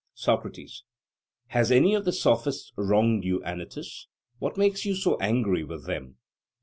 SOCRATES: Has any of the Sophists wronged you, Anytus? What makes you so angry with them?